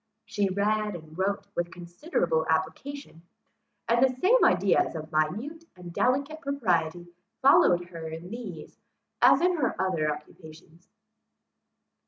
She read and wrote with considerable application; and the same ideas of minute and delicate propriety followed her in these, as in her other occupations.